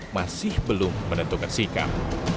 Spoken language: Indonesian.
masih belum menentukan sikap